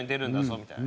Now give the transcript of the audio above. みたいの